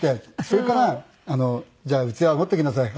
それから「じゃあ器持ってきなさい」